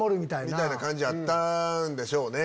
みたいな感じやったんでしょうね。